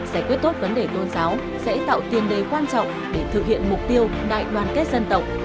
giải quyết tốt vấn đề tôn giáo sẽ tạo tiền đề quan trọng để thực hiện mục tiêu đại đoàn kết dân tộc